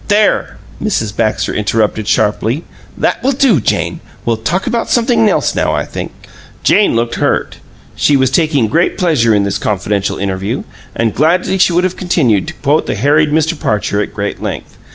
WOR '" "There!" Mrs. Baxter interrupted, sharply. "That will do, Jane! We'll talk about something else now, I think." Jane looked hurt; she was taking great pleasure in this confidential interview, and gladly would have continued to quote the harried Mr. Parcher at great length.